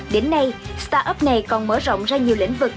đến nay start up này còn mở rộng ra nhiều lĩnh vực